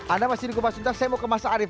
anda masih di kupas tuntas saya mau ke mas arief